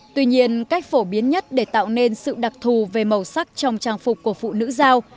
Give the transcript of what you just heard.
tuy nhiên cách phổ biến nhất để tạo nên sự đặc thù về màu sắc trong trang phục của phụ nữ giao